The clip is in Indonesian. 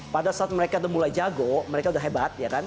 pada saat mereka mulai jago mereka udah hebat